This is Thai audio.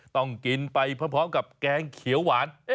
ต้องกินไปพร้อมกับแกงเขียวหวาน